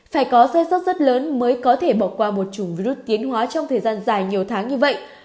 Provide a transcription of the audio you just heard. phải có dây số rất lớn mới có thể bỏ qua một chủng virus tiến hóa trong thời gian dài nhiều tháng như vậy